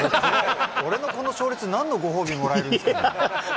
俺のこの勝率、なんのご褒美もらえるんですか。